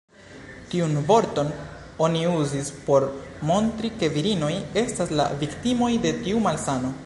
Tiun vorton oni uzis por montri ke virinoj estas la viktimoj de tiu malsano.